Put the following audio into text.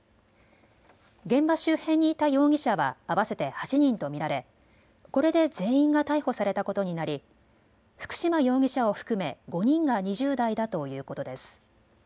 現場周辺にいた容疑者は合わせて８人と見られこれで全員が逮捕されたことになり福嶋容疑者を含め５人が２０代だということです。